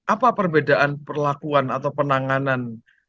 apa perbedaan perlakuan atau penanganan